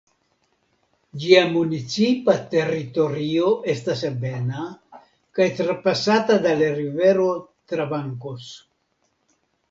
Ĝia municipa teritorio estas ebena kaj trapasata de la rivero Trabancos.